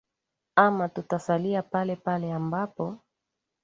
ama tutasalia palepale ambapo